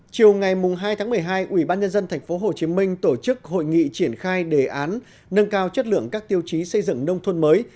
chiều ngày hai tháng một mươi hai ubnd tp hcm tổ chức hội nghị triển khai đề án nâng cao chất lượng các tiêu chí xây dựng nông thôn mới